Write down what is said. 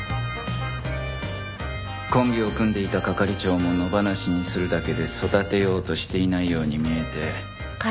コンビを組んでいた係長も野放しにするだけで育てようとしていないように見えて